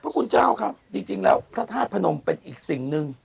พระคุณเจ้าครับจริงแล้วพระธาตุพนมเป็นอีกสิ่งหนึ่ง